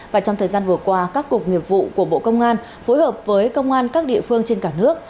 và trong thời gian vừa qua các cục nghiệp vụ của bộ công an phối hợp với công an các địa phương trên cả nước